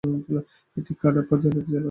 এটি কাডাপা জেলার জেলা সদর দপ্তর।